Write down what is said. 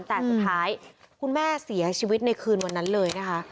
แต่สุดท้ายคุณแม่เสียชีวิตในคืนวันนั้นเลยนะคะ